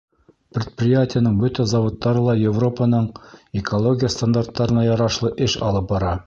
Предприятиеның бөтә заводтары ла Европаның экология стандарттарына ярашлы эш алып бара.